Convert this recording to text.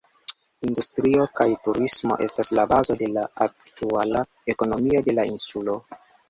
Industrio kaj turismo estas la bazo de la aktuala ekonomio de la insulo.